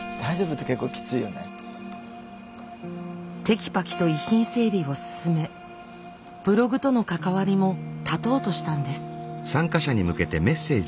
てきぱきと遺品整理を進めブログとの関わりもたとうとしたんです。